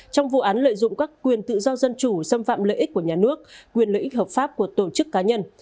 trong vụ án lợi dụng các quyền tự do dân chủ xâm phạm lợi ích của nhà nước quyền lợi ích hợp pháp của tổ chức cá nhân